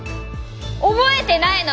覚えてないの？